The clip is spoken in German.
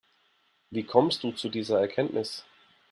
Wie kommst du zu dieser Erkenntnis?